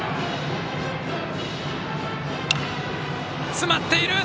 詰まっている！